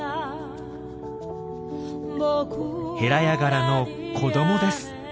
ヘラヤガラの子どもです。